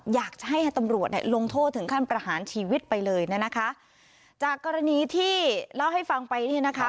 อยากจะให้ตำรวจเนี่ยลงโทษถึงขั้นประหารชีวิตไปเลยเนี่ยนะคะจากกรณีที่เล่าให้ฟังไปเนี่ยนะคะ